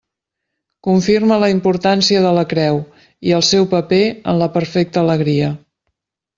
Confirma la importància de la creu i el seu paper en la perfecta alegria.